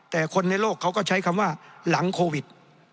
แต่คนในโลกเขาก็ใช้คำว่าหลังโควิด